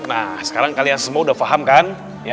nah sekarang kalian semua udah paham kan